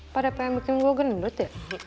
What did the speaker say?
padahal pengen bikin gua gendut ya